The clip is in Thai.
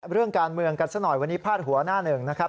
เรื่องการเมืองกันสักหน่อยวันนี้พาดหัวหน้าหนึ่งนะครับ